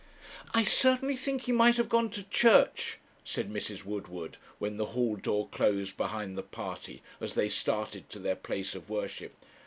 'I certainly think he might have gone to church,' said Mrs. Woodward, when the hall door closed behind the party, as they started to their place of worship.